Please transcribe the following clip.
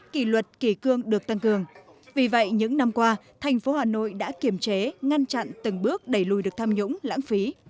kỳ luật kỳ cương được tăng cường vì vậy những năm qua thành phố hà nội đã kiểm chế ngăn chặn từng bước đẩy lùi được tham nhũng lãng phí